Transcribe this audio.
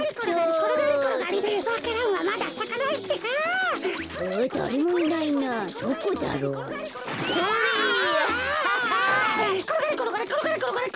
ころがりころがりころがり。